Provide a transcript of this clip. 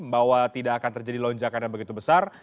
bahwa tidak akan terjadi lonjakan yang begitu besar